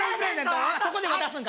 そこで渡すんか？